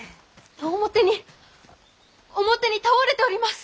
表に表に倒れております！